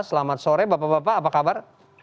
selamat sore bapak bapak apa kabar